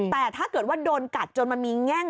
แต่ถ้าเกิดว่าโดนกัดจนมันมีแง่ง